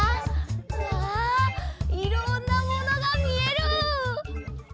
うわいろんなものがみえる！